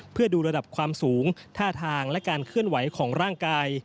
เพื่อดูระดับความสูงท่าทางและการเคลื่อนไหวของร่างกาย